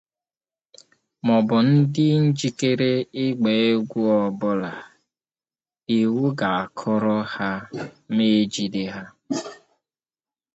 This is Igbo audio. maọbụ dị njikere ịgba egwu ọbụla iwu ga-akụrụ ha ma e jide ha.